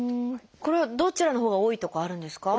これはどちらのほうが多いとかはあるんですか？